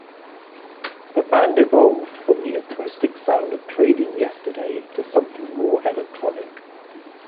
The band evolved from the acoustic sound of Trading Yesterday to something more electronic.